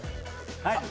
はい！